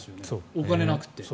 お金なくて。